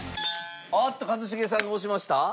あっと一茂さんが押しました？